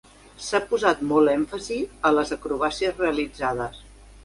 S"ha posat molt èmfasis a les acrobàcies realitzades.